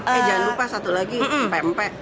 eh jangan lupa satu lagi empe empe